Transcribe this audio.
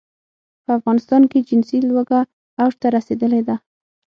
په افغانستان کې جنسي لوږه اوج ته رسېدلې ده.